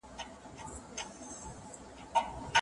آیا ماتې تر بریا ډېر درس لري؟